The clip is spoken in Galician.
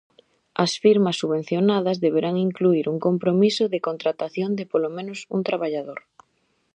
As firmas subvencionadas deberán incluír un compromiso de contratación de polo menos un traballador.